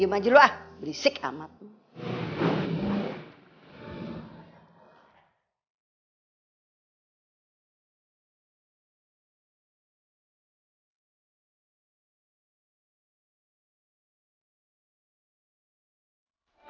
diam aja lu ah berisik amat